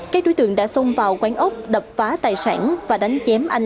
các đối tượng đã xông vào quán ốc đập phá tài sản và đánh chém anh